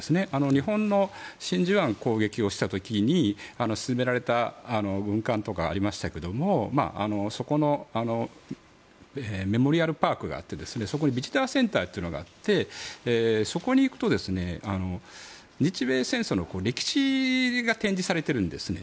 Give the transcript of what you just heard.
日本が真珠湾攻撃をした時に沈められた軍艦とかありましたがそこのメモリアルパークがあってそこにビジターセンターというのがあってそこに行くと日米戦争の歴史が展示されているんですね。